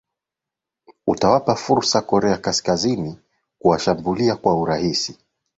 utawapa fursa korea kaskazini kuwashambulia kwa urahisi